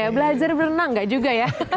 belajar berenang enggak juga ya